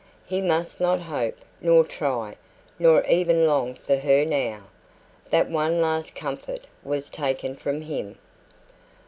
He must not hope, nor try, nor even long for her now. That one last comfort was taken from him.